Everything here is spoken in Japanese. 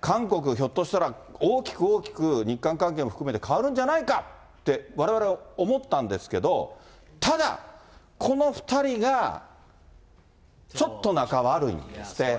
韓国、ひょっとしたら大きく大きく日韓関係も含めて変わるんじゃないかってわれわれは思ったんですけれども、ただ、この２人がちょっと仲悪いんですって。